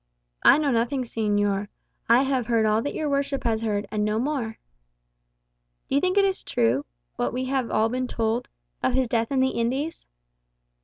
"I know nothing, señor. I have heard all that your worship has heard, and no more." "Do you think it is true what we have all been told of his death in the Indies?"